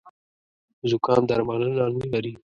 زوکام درملنه نه لري